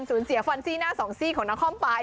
เสียฟันซี่หน้าสองซี่ของนครไป